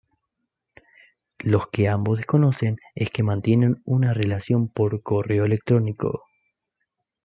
Lo que ambos desconocen es que mantienen una relación por correo electrónico.